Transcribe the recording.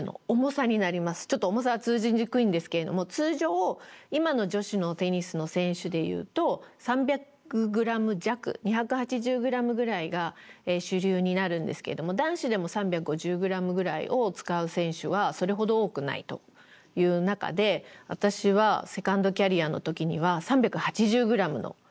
ちょっと重さは通じにくいんですけれども通常今の女子のテニスの選手で言うと３００ｇ弱２８０ｇぐらいが主流になるんですけれども男子でも３５０ｇぐらいを使う選手はそれほど多くないという中で私はセカンドキャリアの時には３８０ｇのラケットを使っていました。